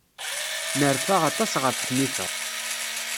Nerfa aṭas ɣef Ḥnifa.